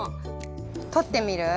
とってみる？